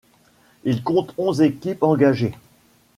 Il compte onze équipes engagées.